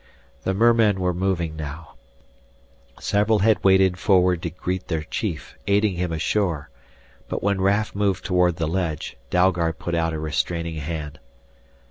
The mermen were moving now. Several had waded forward to greet their chief, aiding him ashore. But when Raf moved toward the ledge, Dalgard put out a restraining hand.